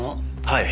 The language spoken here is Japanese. はい。